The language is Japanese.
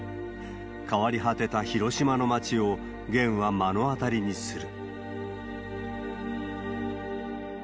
変わり果てた広島の街を、ゲンは目の当たりにする。